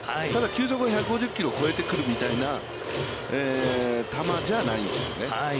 球速が１５０キロを超えてくるみたいな球じゃないんですよね。